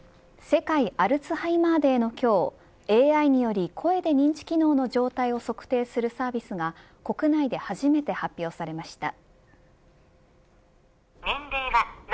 世界アルツハイマーデーの今日ＡＩにより声で認知機能の状態を測定するサービスが国内で初めて発表されました。